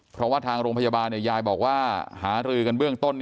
เพราะว่าทางโรงพยาบาลยายบอกว่าหารือกันเบื้องต้น